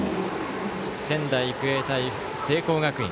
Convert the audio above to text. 仙台育英対聖光学院。